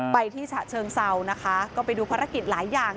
ไปที่ฉะเชิงเซานะคะก็ไปดูภารกิจหลายอย่าง